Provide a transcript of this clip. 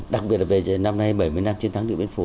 đặc biệt là về năm nay bảy mươi năm chiến thắng địa biến phố